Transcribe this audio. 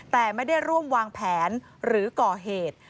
แต่ไม่ได้ร่วมวางแผนหรือก่อเหตุ